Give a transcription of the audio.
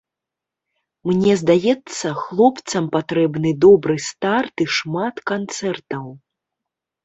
Мне здаецца, хлопцам патрэбны добры старт і шмат канцэртаў.